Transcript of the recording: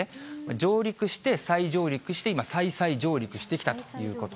上陸して、再上陸して、今、再々上陸してきたということ。